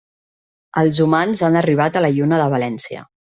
Els humans han arribat a la Lluna de València.